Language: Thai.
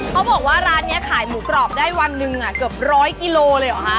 เขาบอกว่าร้านนี้ขายหมูกรอบได้วันหนึ่งเกือบร้อยกิโลเลยเหรอฮะ